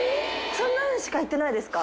そんなんしかいってないですか？